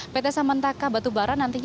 pt samantaka batubara nantinya